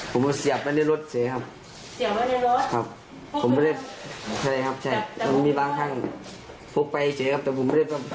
เห็นเค้าบอกว่าคุณอะเอาพี่ไปเทวานินตามสถานิดต่าง